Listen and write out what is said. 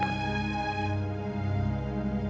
kali ini ya allah